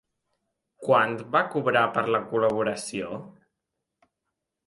Quant va cobrar per la col·laboració?